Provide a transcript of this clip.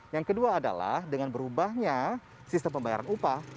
yang kedua adalah dengan berubahnya sistem pembayaran upah